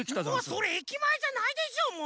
それ駅まえじゃないでしょもう！